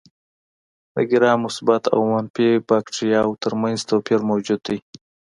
د ګرام مثبت او منفي باکتریاوو تر منځ توپیر موجود دی.